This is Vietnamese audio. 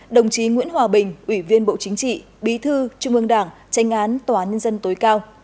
đồng chí nguyễn hòa bình ủy viên bộ chính trị bí thư trung ương đảng tranh án tòa án nhân dân tối cao